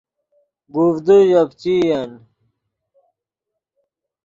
گوڤدے ژے پیچئین